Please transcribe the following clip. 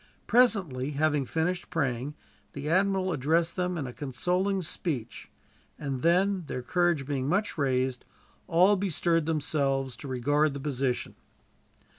Presently, having finished praying, the admiral addressed them in a consoling speech; and then, their courage being much raised, all bestirred themselves to regard the position.